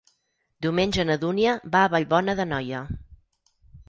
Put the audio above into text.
Diumenge na Dúnia va a Vallbona d'Anoia.